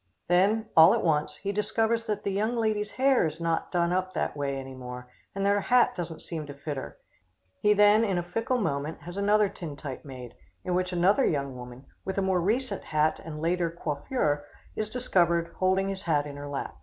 Then, all at once, he discovers that the young lady's hair is not done up that way any more, and that her hat doesn't seem to fit her. He then, in a fickle moment, has another tintype made, in which another young woman, with a more recent hat and later coiffure, is discovered holding his hat in her lap.